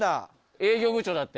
営業部長だって。